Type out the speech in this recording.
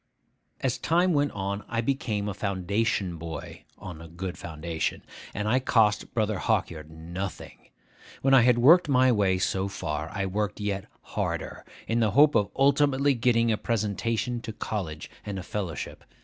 As time went on, I became a Foundation boy on a good foundation, and I cost Brother Hawkyard nothing. When I had worked my way so far, I worked yet harder, in the hope of ultimately getting a presentation to college and a fellowship.